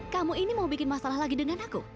kamu ini mau bikin masalah lagi dengan aku